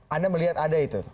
anda melihat ada itu